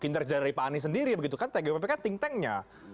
kinerja dari pak anies sendiri kan tgpp kan ting tengnya